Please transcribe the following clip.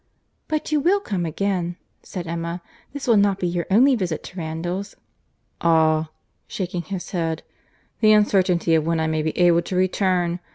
"But you will come again," said Emma. "This will not be your only visit to Randalls." "Ah!—(shaking his head)—the uncertainty of when I may be able to return!